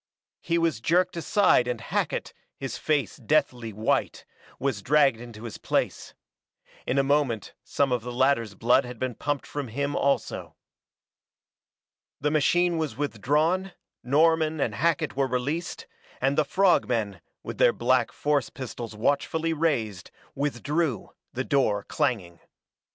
He was jerked aside and Hackett, his face deathly white, was dragged into his place. In a moment some of the latter's blood had been pumped from him also. The machine was withdrawn, Norman and Hackett were released, and the frog men, with their black force pistols watchfully raised, withdrew, the door clanging.